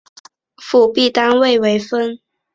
辅币单位为分。